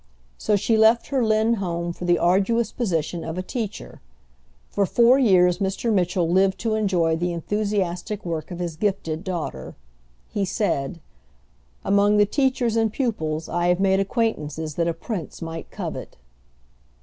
So she left her Lynn home for the arduous position of a teacher. For four years Mr. Mitchell lived to enjoy the enthusiastic work of his gifted daughter. He said, "Among the teachers and pupils I have made acquaintances that a prince might covet."